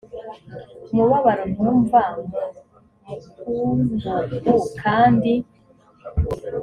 umubabaro ntuva mu mukungugu kandi